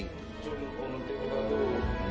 คณะเดียวกันผู้นำสูงสุดเกาหลีเหนือก็ได้พูดกับ